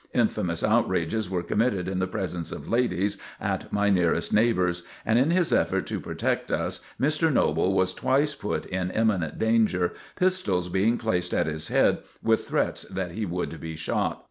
Infamous outrages were committed in the presence of ladies at my nearest neighbor's; and in his effort to protect us, Mr. Noble was twice put in imminent danger, pistols being placed at his head with threats that he would be shot.